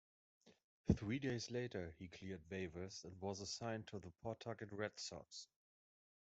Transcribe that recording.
Three days later, he cleared waivers and was assigned to the Pawtucket Red Sox.